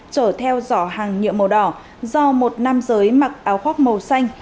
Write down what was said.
chở theo vỏ hàng nhựa màu đỏ do một nam giới mặc áo khoác màu xanh